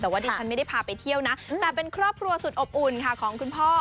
แต่ว่าดิฉันไม่ได้พาไปเที่ยวนะแต่เป็นครอบครัวสุดอบอุ่นค่ะของคุณพ่อ